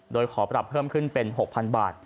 โดยขอปรับเพิ่มขึ้นเป็น๖๐๐๐บาท